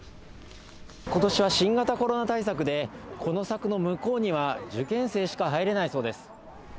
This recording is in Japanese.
今年は新型コロナ対策でこの柵の向こうには受験生しか入れないそうです